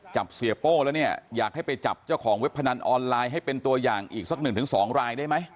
จับเสียโป้แล้วเนี่ยอยากให้ไปจับเจ้าของเว็บพนันออนไลน์ให้เป็นตัวอย่างอีกสักหนึ่งถึงสองรายได้ไหม